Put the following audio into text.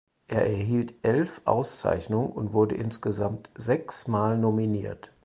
Er erhielt elf Auszeichnungen und wurde insgesamt sechsmal nominiert.